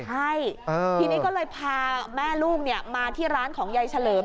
ใช่ทีนี้ก็เลยพาแม่ลูกมาที่ร้านของยายเฉลิม